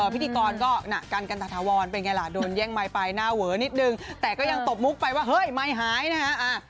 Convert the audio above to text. พิธีกรก็หนักกันกันทวรเป็นไงล่ะโดนแย่งไมค์ไปหน้าเวอนิดนึงแต่ก็ยังตบมุกไปว่าเฮ้ยไมค์หายนะฮะ